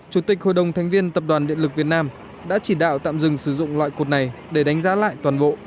chủ tịch hội đồng thành viên tập đoàn điện lực việt nam đã chỉ đạo tạm dừng sử dụng loại cột này để đánh giá lại toàn bộ